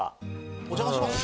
お邪魔します。